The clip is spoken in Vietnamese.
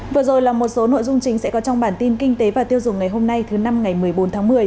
vừa rồi là một số nội dung chính sẽ có trong bản tin kinh tế và tiêu dùng ngày hôm nay thứ năm ngày một mươi bốn tháng một mươi